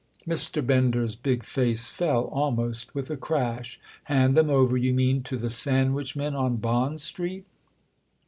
Mr. Bender's big face fell almost with a crash. "Hand them over, you mean, to the sandwich men on Bond Street?"